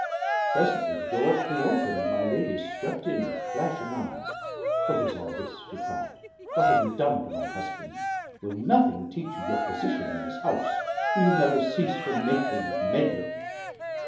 Presently the door flew open, and my lady swept in with flashing eyes. "What is all this?" she cried. "What have you done to my husband? Will nothing teach you your position in this house? Will you never cease from making and meddling?"